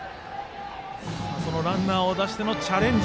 そのランナーを出してのチャレンジ。